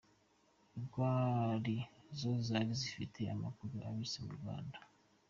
Rw ari zo zari zifite amakuru abitse mu Rwanda.